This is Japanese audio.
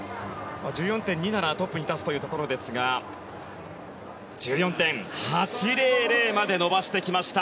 １４．２ならトップに立つというところですが１４．８００まで伸ばしていきました。